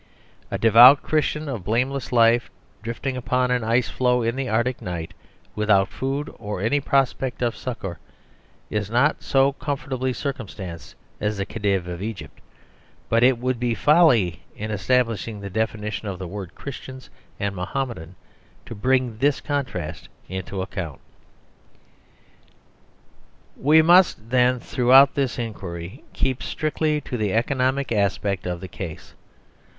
A devout Christian of blameless life drifting upon an ice flow in the Arctic night, without food or any prospect of succour, is not so comfortablycircumstanced as the Khedive of Egypt; but it would be folly in establishing the definition of the words "Christian" and " Mahommedan" to bring this contrast into account. We must then, throughout this inquiry, keep strict ly to the economic aspect of the case.